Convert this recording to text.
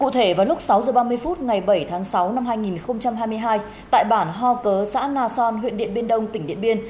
cụ thể vào lúc sáu h ba mươi phút ngày bảy tháng sáu năm hai nghìn hai mươi hai tại bản ho cớ xã na son huyện điện biên đông tỉnh điện biên